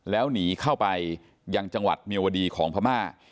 แล้วหนีเข้าไปยังจังหวัดเมียวดีของพม่า